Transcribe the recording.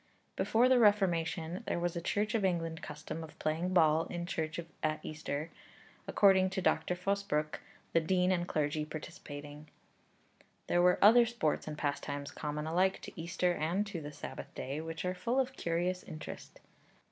Before the Reformation there was a Church of England custom of playing ball in church at Easter, according to Dr. Fosbrooke, the dean and clergy participating. There were other sports and pastimes common alike to Easter and to the Sabbath day, which are full of curious interest.